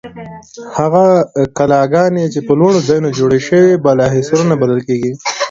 هغه کلاګانې چې په لوړو ځایونو جوړې شوې بالاحصارونه بلل کیږي.